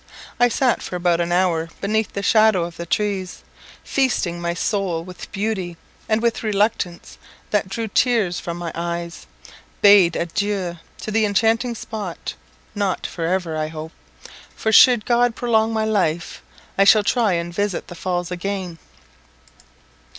I sat for about an hour beneath the shadow of the trees, feasting my soul with beauty; and with reluctance, that drew tears from my eyes, bade adieu to the enchanting spot not for ever, I hope, for should God prolong my life, I shall try and visit the Falls again.